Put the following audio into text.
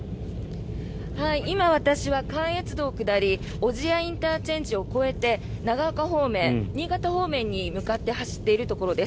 今、私は関越道下り小千谷ＩＣを越えて長岡方面、新潟方面に向かって走っているところです。